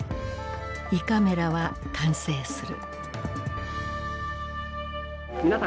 胃カメラは完成する。